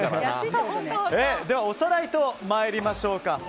では、おさらいと参りましょうか。